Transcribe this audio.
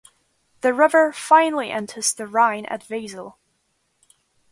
The river finally enters the Rhine at Wesel.